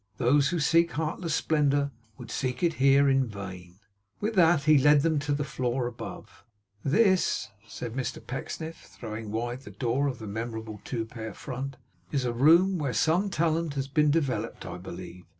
Those who seek heartless splendour, would seek here in vain.' With that he led them to the floor above. 'This,' said Mr Pecksniff, throwing wide the door of the memorable two pair front; 'is a room where some talent has been developed I believe.